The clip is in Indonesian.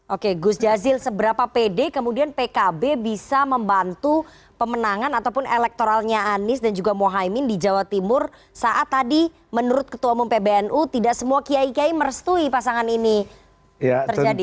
oke gus jazil seberapa pede kemudian pkb bisa membantu pemenangan ataupun elektoralnya anies dan juga mohaimin di jawa timur saat tadi menurut ketua umum pbnu tidak semua kiai kiai merestui pasangan ini terjadi